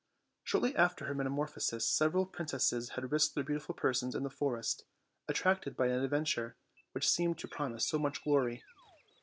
Shortly after her metamorphosis several princesses had risked their beautiful persons in the forest, at tracted by an adventure which seemed to promise so much glory.